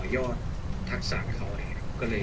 ส่วนยังแบร์ดแซมแบร์ด